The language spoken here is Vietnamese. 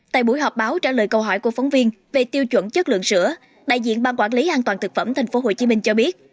tại buổi họp báo trả lời câu hỏi của phóng viên về tiêu chuẩn chất lượng sữa đại diện ban quản lý an toàn thực phẩm tp hcm cho biết